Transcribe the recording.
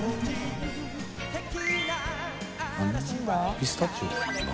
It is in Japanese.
ピスタチオ？豆？